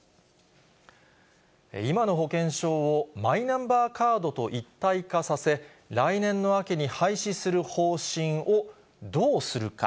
今の保険証をマイナンバーカードと一体化させ、来年の秋に廃止する方針をどうするか。